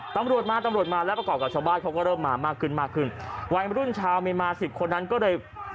ตำรวจมาตำรวจมาแล้วประกอบกับชาวบ้านเขาก็เริ่มมามากขึ้นมากขึ้นวัยมรุ่นชาวเมียนมาสิบคนนั้นก็เลย